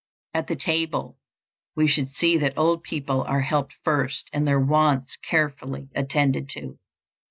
At the table we should see that old people are helped first and their wants carefully attended to.